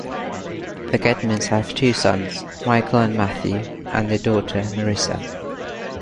The Gedmans have two sons, Michael and Matthew, and a daughter, Marissa.